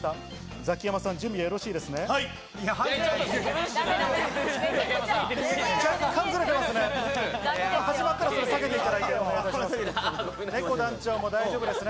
ザキヤマさん、準備はよろしいですね？